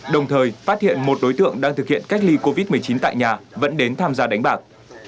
đồng thời phát hiện một đối tượng đang thực hiện cách ly covid một mươi chín tại nhà vẫn đến tham gia đánh bạc